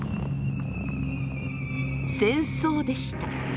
戦争でした。